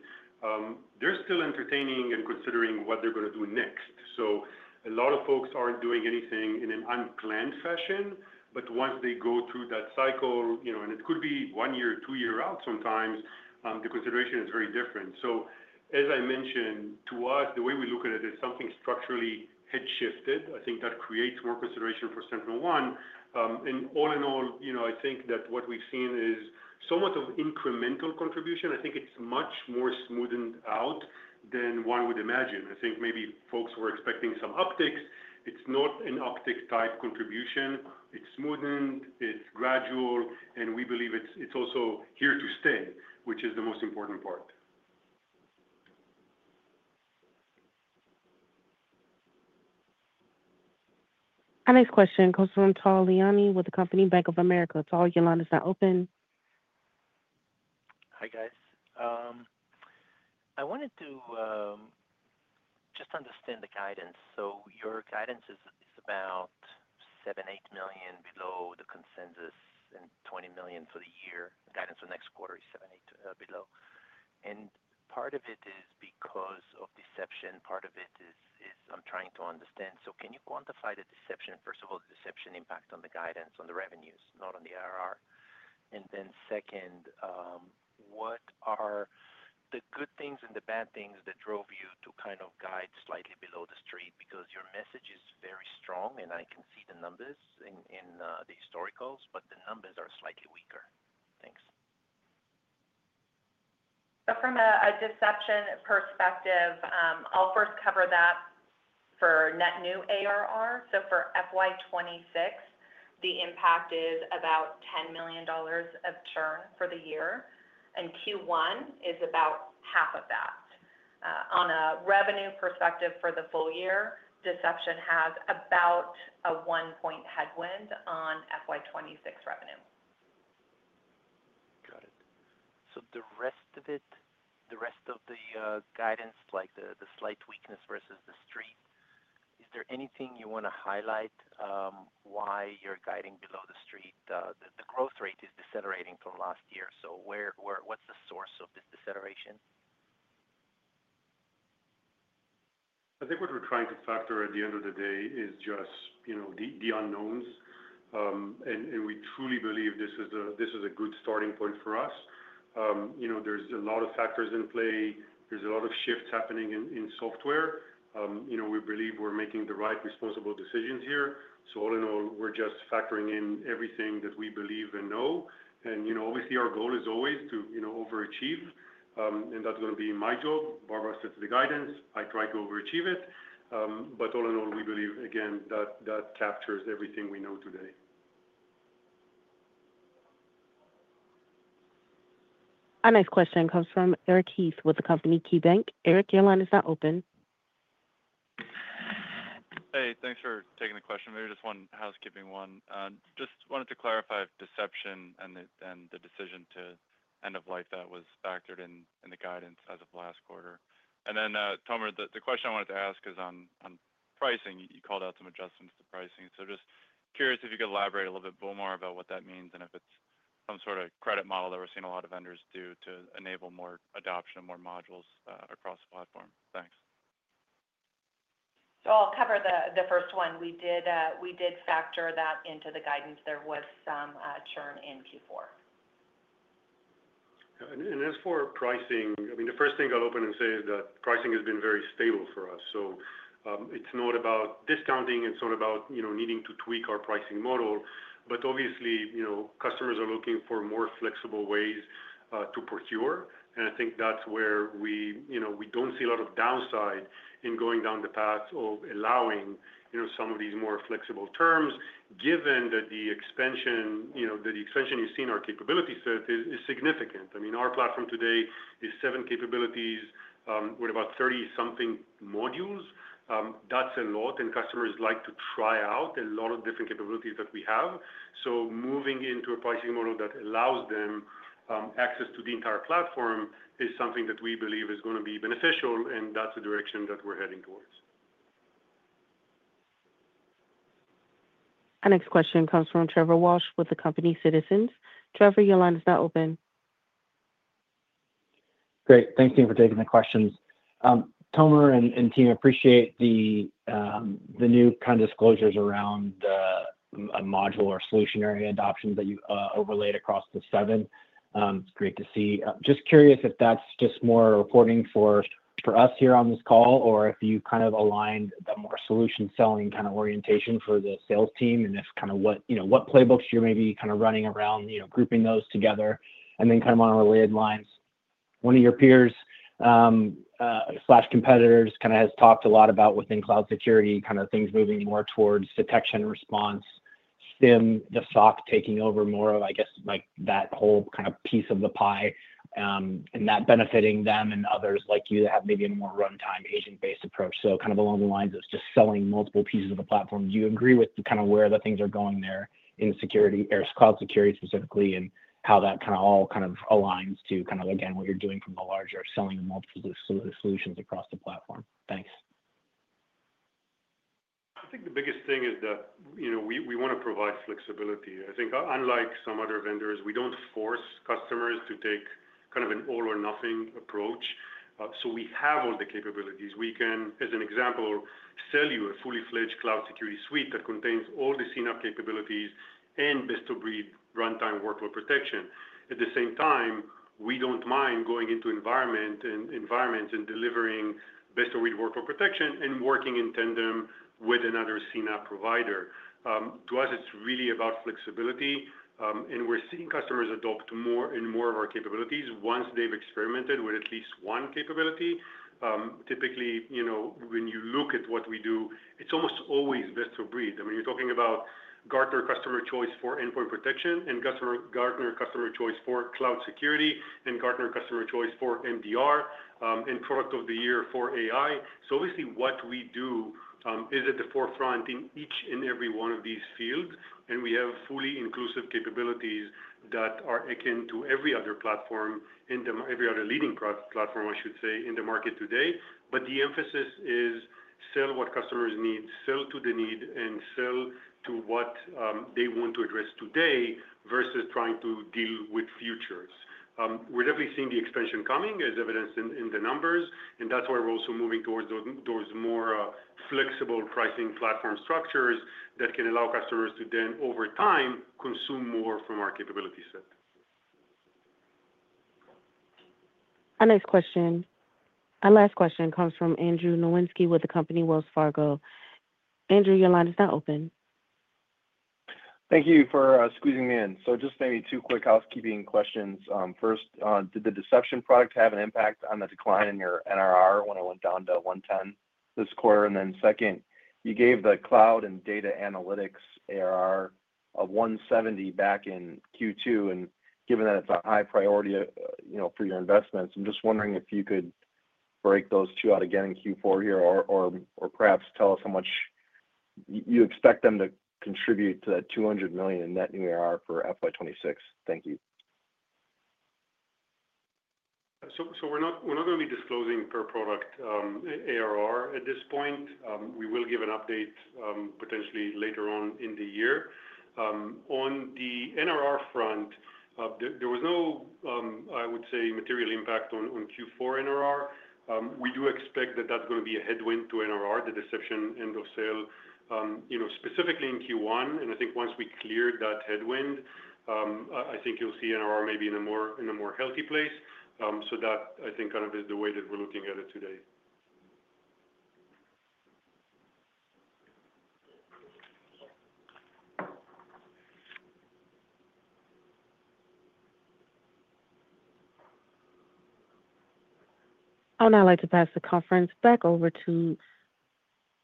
they're still entertaining and considering what they're going to do next. A lot of folks aren't doing anything in an unplanned fashion. Once they go through that cycle, and it could be one year, two years out sometimes, the consideration is very different. As I mentioned, to us, the way we look at it is something structurally head-shifted. I think that creates more consideration for SentinelOne. All in all, I think that what we've seen is somewhat of incremental contribution. I think it's much more smoothened out than one would imagine. I think maybe folks were expecting some upticks. It's not an uptick-type contribution. It's smoothened. It's gradual. We believe it's also here to stay, which is the most important part.
Our next question comes from Tal Liani with the company Bank of America. Tal, your line is now open.
Hi, guys. I wanted to just understand the guidance. Your guidance is about $7 million, $8 million below the consensus and $20 million for the year. The guidance for next quarter is $7 million, $8 million below. Part of it is because of deception. Part of it is, I am trying to understand. Can you quantify the deception, first of all, the deception impact on the guidance, on the revenues, not on the ARR? Second, what are the good things and the bad things that drove you to kind of guide slightly below the street? Your message is very strong, and I can see the numbers in the historicals, but the numbers are slightly weaker. Thanks.
From a deception perspective, I will first cover that for net new ARR. For FY 2026, the impact is about $10 million of churn for the year. Q1 is about half of that. On a revenue perspective for the full year, deception has about a one-point headwind on FY 2026 revenue.
Got it. The rest of the guidance, like the slight weakness versus the street, is there anything you want to highlight why you're guiding below the street? The growth rate is decelerating from last year. What's the source of this deceleration?
I think what we're trying to factor at the end of the day is just the unknowns. We truly believe this is a good starting point for us. There are a lot of factors in play. There are a lot of shifts happening in software. We believe we're making the right responsible decisions here. All in all, we're just factoring in everything that we believe and know. Obviously, our goal is always to overachieve. That is going to be my job. Barbara sets the guidance. I try to overachieve it. All in all, we believe, again, that that captures everything we know today.
Our next question comes from Eric Heath with the company KeyBanc. Eric, your line is now open.
Hey, thanks for taking the question. Maybe just one housekeeping one. Just wanted to clarify deception and the decision to end of life that was factored in the guidance as of last quarter. Tomer, the question I wanted to ask is on pricing. You called out some adjustments to pricing. Just curious if you could elaborate a little bit more about what that means and if it is some sort of credit model that we are seeing a lot of vendors do to enable more adoption and more modules across the platform. Thanks.
I will cover the first one. We did factor that into the guidance. There was some churn in Q4.
As for pricing, I mean, the first thing I'll open and say is that pricing has been very stable for us. It is not about discounting. It is not about needing to tweak our pricing model. Obviously, customers are looking for more flexible ways to procure. I think that is where we do not see a lot of downside in going down the path of allowing some of these more flexible terms, given that the expansion you have seen in our capability set is significant. I mean, our platform today is seven capabilities with about 30-something modules. That is a lot. Customers like to try out a lot of different capabilities that we have. Moving into a pricing model that allows them access to the entire platform is something that we believe is going to be beneficial. That's the direction that we're heading towards.
Our next question comes from Trevor Walsh with the company Citizens. Trevor, your line is now open.
Great. Thank you for taking the questions. Tomer and team, I appreciate the new kind of disclosures around a module or solution area adoption that you overlaid across the seven. It's great to see. Just curious if that's just more reporting for us here on this call or if you kind of align the more solution-selling kind of orientation for the sales team and kind of what playbooks you're maybe kind of running around, grouping those together. On a related line, one of your peers or competitors has talked a lot about within cloud security things moving more towards detection response, SIEM, the SOC taking over more of, I guess, that whole piece of the pie and that benefiting them and others like you that have maybe a more runtime agent-based approach. Along the lines of just selling multiple pieces of the platform, do you agree with where things are going there in cloud security specifically and how that all aligns to, again, what you're doing from the larger selling of multiple solutions across the platform? Thanks.
I think the biggest thing is that we want to provide flexibility. I think unlike some other vendors, we do not force customers to take an all-or-nothing approach. We have all the capabilities. We can, as an example, sell you a fully-fledged cloud security suite that contains all the CNAPP capabilities and best-of-breed runtime workload protection. At the same time, we do not mind going into environments and delivering best-of-breed workload protection and working in tandem with another CNAPP provider. To us, it is really about flexibility. We are seeing customers adopt more and more of our capabilities once they have experimented with at least one capability. Typically, when you look at what we do, it is almost always best-of-breed. I mean, you are talking about Gartner Customers' Choice for endpoint protection and Gartner Customers' Choice for cloud security and Gartner Customers' Choice for MDR and Product of the Year for AI. Obviously, what we do is at the forefront in each and every one of these fields. We have fully inclusive capabilities that are akin to every other platform and every other leading platform, I should say, in the market today. The emphasis is sell what customers need, sell to the need, and sell to what they want to address today versus trying to deal with futures. We're definitely seeing the expansion coming, as evidenced in the numbers. That's why we're also moving towards those more flexible pricing platform structures that can allow customers to then, over time, consume more from our capability set.
Our next question. Our last question comes from Andrew Nowinski with the company Wells Fargo. Andrew, your line is now open.
Thank you for squeezing me in. Just maybe two quick housekeeping questions. First, did the deception product have an impact on the decline in your NRR when it went down to 110 this quarter? Then second, you gave the cloud and data analytics ARR of $170 million back in Q2. Given that it's a high priority for your investments, I'm just wondering if you could break those two out again in Q4 here or perhaps tell us how much you expect them to contribute to that $200 million in net new ARR for FY 2026. Thank you.
We're not going to be disclosing per product ARR at this point. We will give an update potentially later on in the year. On the NRR front, there was no, I would say, material impact on Q4 NRR. We do expect that that's going to be a headwind to NRR, the deception end of sale, specifically in Q1. I think once we clear that headwind, I think you'll see NRR maybe in a more healthy place. That, I think, kind of is the way that we're looking at it today.
I would now like to pass the conference back over to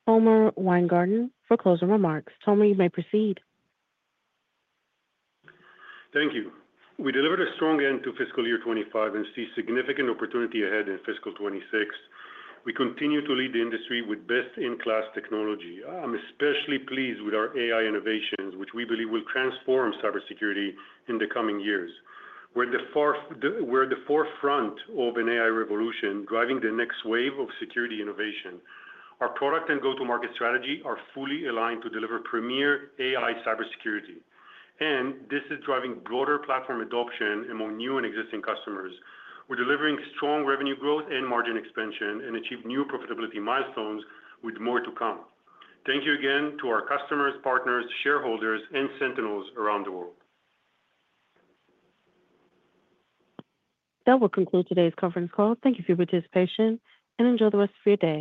Tomer Weingarten for closing remarks. Tomer, you may proceed.
Thank you. We delivered a strong end to fiscal year 2025 and see significant opportunity ahead in fiscal 2026. We continue to lead the industry with best-in-class technology. I'm especially pleased with our AI innovations, which we believe will transform cybersecurity in the coming years. We're at the forefront of an AI revolution driving the next wave of security innovation. Our product and go-to-market strategy are fully aligned to deliver premier AI cybersecurity. This is driving broader platform adoption among new and existing customers. We're delivering strong revenue growth and margin expansion and achieve new profitability milestones with more to come. Thank you again to our customers, partners, shareholders, and Sentinels around the world.
That will conclude today's conference call. Thank you for your participation. Enjoy the rest of your day.